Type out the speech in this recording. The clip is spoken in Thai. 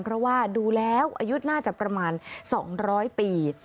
เพราะว่าดูแล้วอายุน่าจะประมาณ๒๐๐ปี